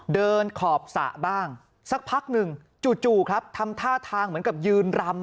ขอบสระบ้างสักพักหนึ่งจู่ครับทำท่าทางเหมือนกับยืนรำ